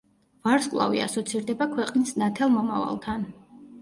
ვარსკვლავი ასოცირდება ქვეყნის ნათელ მომავალთან.